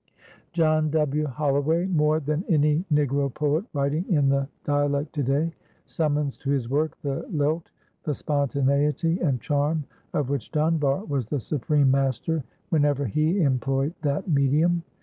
John W. Holloway, more than any Negro poet writing in the dialect to day, summons to his work the lilt, the spontaneity and charm of which Dunbar was the supreme master whenever he employed that medium.